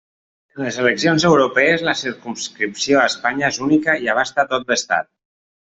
En les eleccions europees la circumscripció a Espanya és única i abasta tot l'Estat.